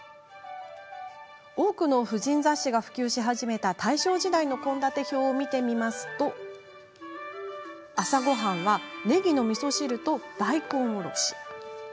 多くの婦人雑誌が普及し始めた大正時代の献立表を見てみると朝ごはんはねぎのみそ汁と、大根おろし。